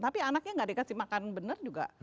tapi anaknya nggak dikasih makan benar juga